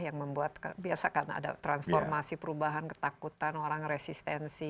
yang membuat biasa kan ada transformasi perubahan ketakutan orang resistensi